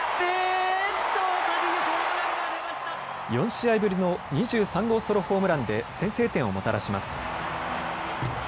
４試合ぶりの２３号ソロホームランで先制点をもたらします。